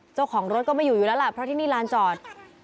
เจ้าของรถก็ไม่อยู่อยู่แล้วล่ะเพราะที่นี่ลานจอด